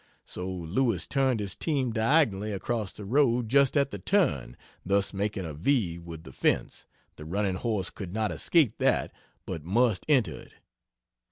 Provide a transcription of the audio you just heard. So Lewis turned his team diagonally across the road just at the "turn," thus making a V with the fence the running horse could not escape that, but must enter it.